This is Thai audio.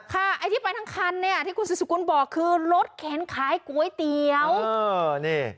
ไอ้ที่ไปทั้งคันเนี่ยที่คุณสุดสกุลบอกคือรถเข็นขายก๋วยเตี๋ยวนี่